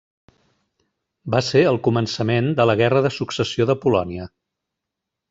Va ser el començament de la Guerra de Successió de Polònia.